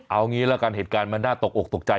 เอางี้ละกันเหตุการณ์มันน่าตกอกตกใจ